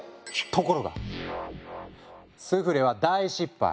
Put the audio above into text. ところがスフレは大失敗。